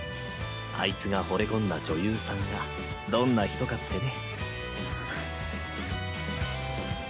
あいつがほれ込んだ女優さんがどんな人かってね。